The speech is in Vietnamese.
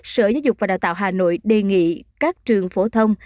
sở giáo dục và đào tạo hà nội đề nghị các trường phổ thông